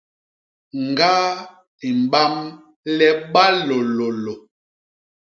Ñgaa i mbam le balôlôlô.